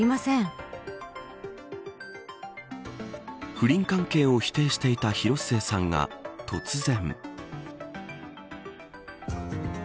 不倫関係を否定していた広末さんが、突然。